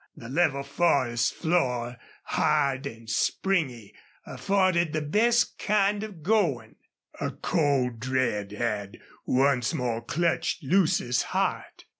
The level forest floor, hard and springy, afforded the best kind of going. A cold dread had once more clutched Lucy's heart.